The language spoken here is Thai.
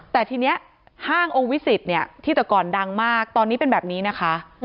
แต่ทีนี้ห้างองค์วิสิตเนี่ยที่แต่ก่อนดังมากตอนนี้เป็นแบบนี้นะคะ